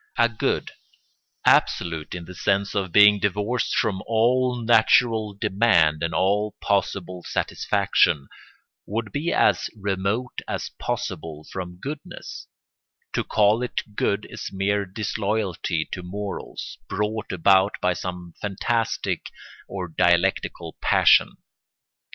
A good, absolute in the sense of being divorced from all natural demand and all possible satisfaction, would be as remote as possible from goodness: to call it good is mere disloyalty to morals, brought about by some fantastic or dialectical passion.